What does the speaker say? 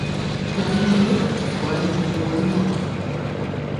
Подібні випадки в поемі непоодинокі.